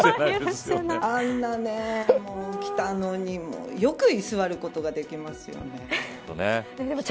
あんなもう、きたのによく居座ることができますよね。